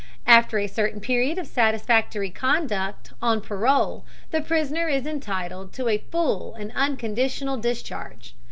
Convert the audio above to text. After a certain period of satisfactory conduct on parole the prisoner is entitled to a full and unconditional discharge.